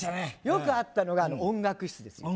よくあったのが音楽室ですよ